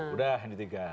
udah ini tiga